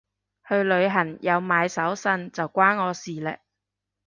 去旅行有買手信就關我事嘞